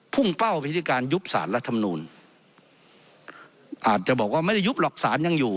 พุ่งเป้าไปที่การยุบสารรัฐนูน